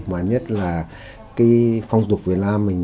mà nhất là cái phong tục việt nam mình